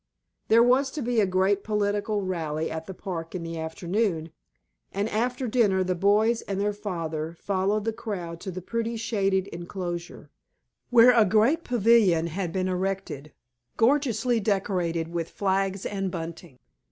There was to be a great political rally at the park in the afternoon, and after dinner the boys and their father followed the crowd to the pretty shaded inclosure, where a great pavilion had been erected, gorgeously decorated with flags and bunting.